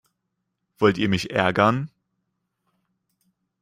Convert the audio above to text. Wollt ihr mich ärgern?